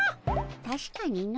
たしかにの。